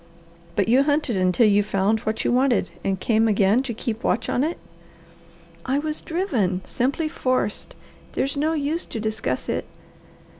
"But you hunted until you found what you wanted, and came again to keep watch on it?" "I was driven simply forced. There's no use to discuss it!"